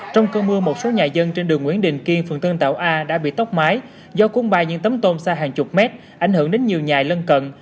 trong cơn mưa một số nhà dân trên đường nguyễn đình kiên phường tân tảo a đã bị tốc mái do cuốn bay những tấm tôn xa hàng chục mét ảnh hưởng đến nhiều nhà lân cận